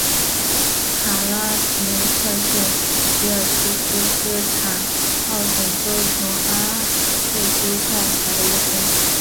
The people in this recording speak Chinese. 卡拉梅克是吉尔吉斯斯坦奥什州琼阿赖区下辖的一个村。